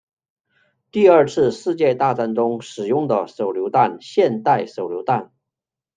第二次世界大战中使用的手榴弹现代手榴弹